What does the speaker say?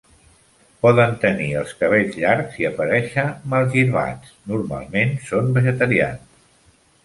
Poden tenir els cabells llargs i aparèixer malgirbats, normalment són vegetarians.